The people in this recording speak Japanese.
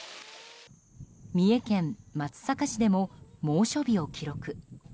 三重県松阪市でも猛暑日を記録。